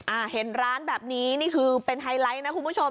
อ่าเห็นร้านแบบนี้นี่คือเป็นไฮไลท์นะคุณผู้ชม